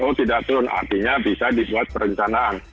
oh tidak turun artinya bisa dibuat perencanaan